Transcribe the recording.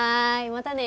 またね。